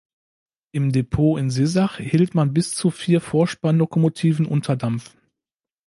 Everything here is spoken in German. Im Depot in Sissach hielt man bis zu vier Vorspann-Lokomotiven unter Dampf.